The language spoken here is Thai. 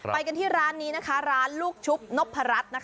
ไปกันที่ร้านนี้นะคะร้านลูกชุบนพรัช